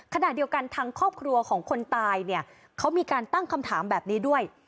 ขณะเดียวกันทางครอบครัวของคนตายเนี่ยเขามีการตั้งคำถามแบบนี้ด้วย